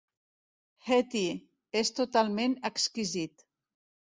Hettie, és totalment exquisit.